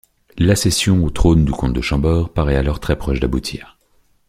L'accession au trône du comte de Chambord paraît alors très proche d'aboutir.